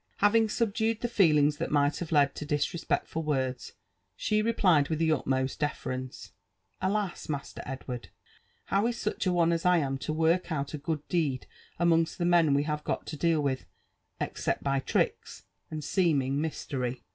Having subdued the feelings that might have led to disrespectful words, she replied with the utmost deference, '' Alas, Master Edward ! ^how is such a one as I am to work out a good deed amongst the men we have got to deal with, except by tricks and seeming mystery?